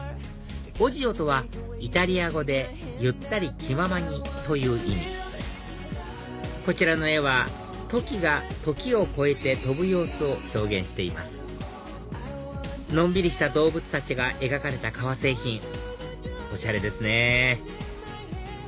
ＯＺＩＯとはイタリア語で「ゆったり気ままに」という意味こちらの絵はトキが時を超えて飛ぶ様子を表現していますのんびりした動物たちが描かれた革製品おしゃれですね